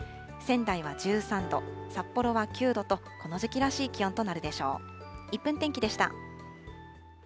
仙台は１３度、札幌は９度と、この時期らしい気温となるでしょう。